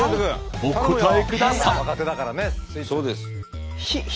お答えください！